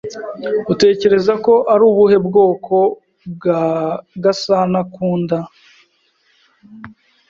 Utekereza ko ari ubuhe bwoko bwa Gasana ukunda?